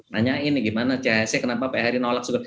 nanyain nih gimana chse kenapa phri nolak